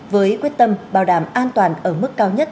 với quyết tâm bảo đảm an toàn ở mức cao nhất